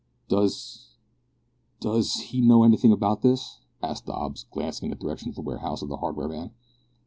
"Does does he know anything about this?" asked Dobbs, glancing in the direction of the warehouse of the hardware man.